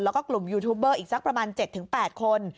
แล้วก็กลุ่มยูทูบเบอร์อีกสักประมาณ๗๘คน